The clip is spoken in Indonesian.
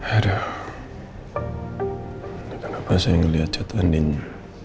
aduh kenapa saya ngeliat catahannya